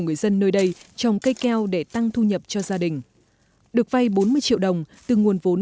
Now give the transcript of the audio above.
người dân nơi đây trồng cây keo để tăng thu nhập cho gia đình được vay bốn mươi triệu đồng từ nguồn vốn